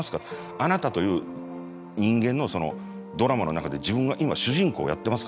あなたという人間のドラマの中で自分が今主人公をやってますか？